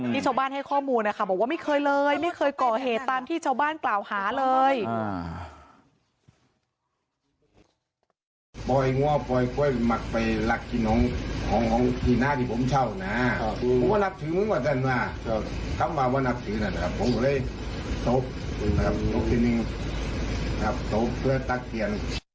ที่ชาวบ้านให้ข้อมูลนะคะบอกว่าไม่เคยเลยไม่เคยก่อเหตุตามที่ชาวบ้านกล่าวหาเลย